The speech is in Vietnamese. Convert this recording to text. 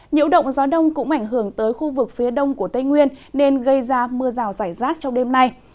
nhiễu động gió đông cũng ảnh hưởng tới khu vực phía đông của tây nguyên nên gây ra mưa rào rải rác trong đêm nay